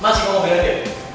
masih mau berantem